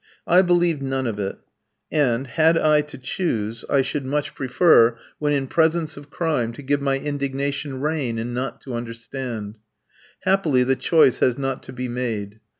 I believe none of it; and, had I to choose, I should much prefer, when in presence of crime, to give my indignation rein and not to understand. Happily, the choice has not to be made.